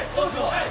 はい！